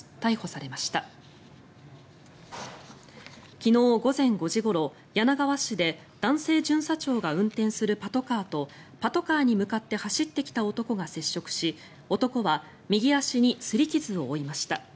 昨日午前５時ごろ昨日午前５時ごろ柳川市で男性巡査長が運転するパトカーに向かって走ってきた男が接触し男は右足にすり傷を負いました。